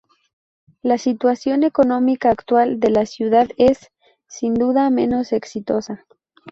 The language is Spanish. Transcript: La situación económica actual de la ciudad es, sin duda menos exitosa.